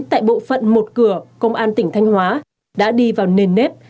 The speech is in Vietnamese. tại bộ phận một cửa công an tỉnh thanh hóa đã đi vào nền nếp